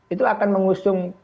itu akan mengusung